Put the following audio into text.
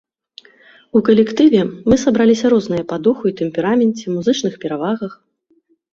У калектыве мы сабраліся розныя па духу і тэмпераменце, музычных перавагах.